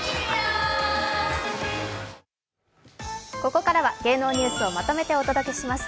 ここからは芸能ニュースをまとめてお届けします。